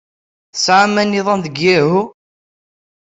Tesɛam amiḍan deg Yahoo?